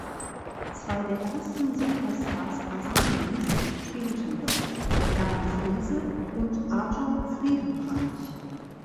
Zwei der ersten Superstars Brasiliens spielten dort: Hermann Friese und Arthur Friedenreich.